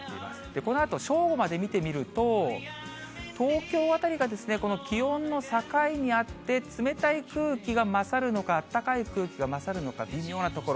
このあと正午まで見てみると、東京辺りが、この気温の境にあって、冷たい空気が勝るのか、あったかい空気が勝るのか、微妙なところ。